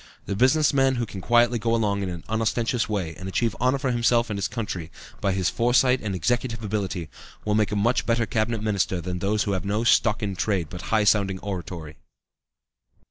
The business man who quietly can go along in an unostentatious way, and achieve honor for himself and his country, by his foresight and executive ability, will make a much better Cabinet Minister than those who have no stock in trade but high sounding oratory."